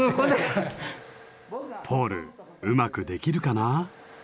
ポールうまくできるかな？